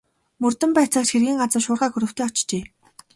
Мөрдөн байцаагч хэргийн газар шуурхай групптэй очжээ.